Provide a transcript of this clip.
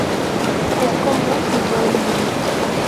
Es común en todo el mundo.